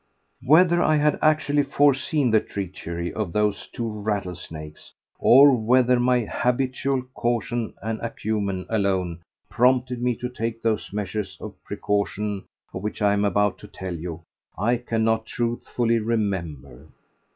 Whether I had actually foreseen the treachery of those two rattlesnakes, or whether my habitual caution and acumen alone prompted me to take those measures of precaution of which I am about to tell you, I cannot truthfully remember.